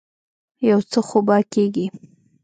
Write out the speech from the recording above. يو څه خو به کېږي.